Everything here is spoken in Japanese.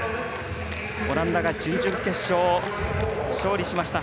オランダが準々決勝勝利しました。